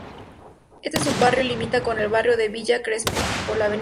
Este Sub-Barrio limita con el barrio de Villa Crespo por la Avenida Córdoba.